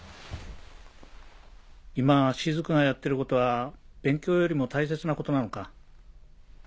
今雫がやってることは勉強よりも大切なことなのか？